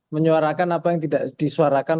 menyuarakan apa yang tidak disuarakan